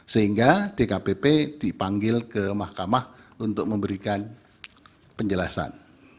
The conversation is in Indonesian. sehingga dkpp dipanggil ke mahkamah untuk memberikan penjelasan